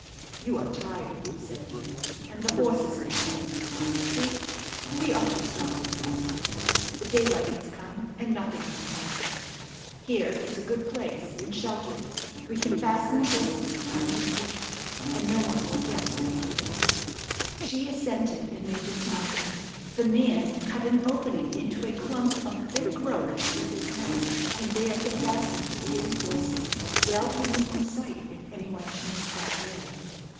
"You are tired," said he, "and the horses are tired. See! We ought to stop and rest. The daylight has come, and nothing can hurt us. Here is a good place, and sheltered. We can fasten the horses behind these bushes, and no one will guess we are here." She assented, and they dismounted. The man cut an opening into a clump of thick growth with his knife, and there they fastened the weary horses, well hidden from sight if any one chanced that way.